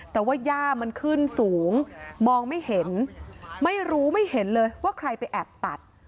แต่ว่าย่ามันขึ้นสูงมองไม่เห็นไม่รู้ไม่เห็นเลยว่าใครไปแอบตัด